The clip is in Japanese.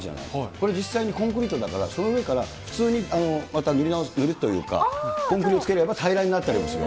これ実際にコンクリートだから、その上から普通にまた塗るというか、コンクリをつければ平らになったりもする。